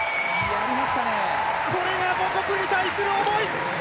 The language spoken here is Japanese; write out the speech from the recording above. これが母国に対する思い！